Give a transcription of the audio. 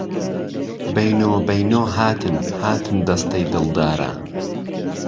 بهینۆ بهینۆ هاتن، هاتن دهستهی دڵداران